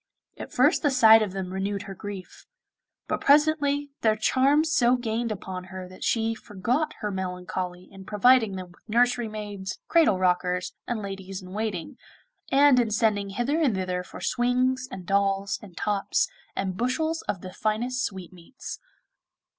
At first the sight of them renewed her grief; but presently their charms so gained upon her that she forgot her melancholy in providing them with nursery maids, cradle rockers, and ladies in waiting, and in sending hither and thither for swings and dolls and tops, and bushels of the finest sweetmeats.